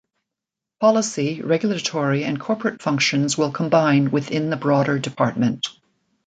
Policy, regulatory and corporate functions will combine within the broader department.